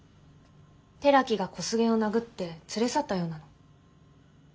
寺木が小菅を殴って連れ去ったようなの。